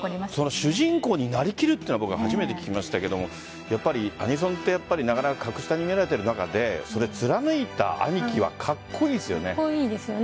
主人公になりきるというのは初めて聞きましたがアニソンはやっぱりなかなか格下に見られている中でそれを貫いたアニキはカッコいいですよね。